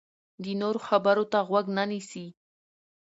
د نورو خبرو ته غوږ نه نیسي.